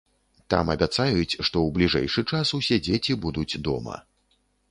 Там абяцаюць, што ў бліжэйшы час усе дзеці будуць дома.